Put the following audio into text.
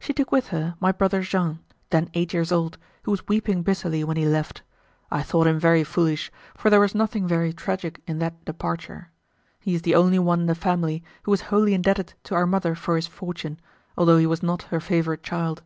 She took with her my brother Jean, then eight years old, who was weeping bitterly when he left; I thought him very foolish, for there was nothing very tragic in that departure. He is the only one in the family who was wholly indebted to our mother for his fortune, although he was not her favourite child.